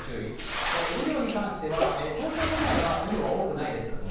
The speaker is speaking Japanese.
雨量に関しては東京都内は、雨量は多くないです。